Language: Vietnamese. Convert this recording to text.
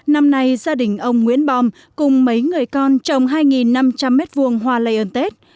năm nay gia đình ông nguyễn bom cùng mấy người con trồng hai năm trăm linh m hai hoa lây ơn tết